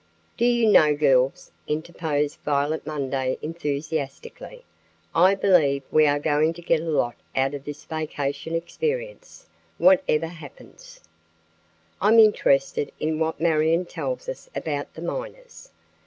"Do you know, girls," interposed Violet Munday enthusiastically; "I believe we are going to get a lot out of this vacation experience, whatever happens. I'm interested in what Marion tells us about the miners.